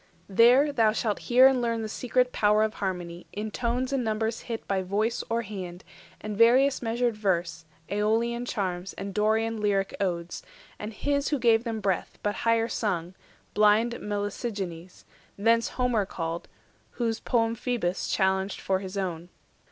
There thou shalt hear and learn the secret power Of harmony, in tones and numbers hit By voice or hand, and various measured verse, AEolian charms and Dorian lyric odes, And his who gave them breath, but higher sung, Blind Melesigenes, thence Homer called, Whose poem Phoebus challenged for his own.